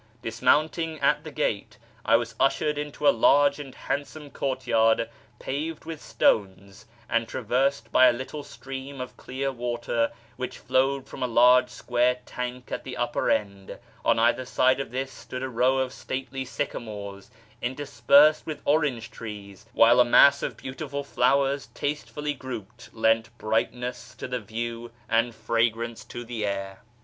Dismounting at the gate, I was ushered into a large and handsome courtyard paved with stones and traversed by a little stream of clear water which flowed from a large square tank at the upper end. On either side of this stood a row of stately sycamores, inter spersed with orange trees, while a mass of beautiful flowers tastefully grouped lent brightness to the view and fragrance to the air.